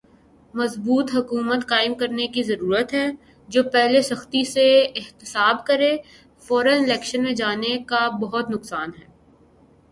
مضبوط حکومت قائم کرنے کی ضرورت ہے۔۔جو پہلے سختی سے احتساب کرے۔۔فورا الیکشن میں جانے کا بہت نقصان ہے۔۔